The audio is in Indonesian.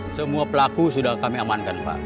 semua pelaku sudah kami amankan pak